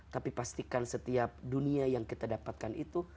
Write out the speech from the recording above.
tapi pastikan setiap dunia yang kita dapatkan itu